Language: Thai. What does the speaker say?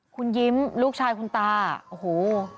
คุณยิ้มลูกชายคุณตาโอ้โห